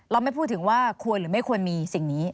ไม่พูดถึงว่าควรหรือไม่ควรมีสิ่งนี้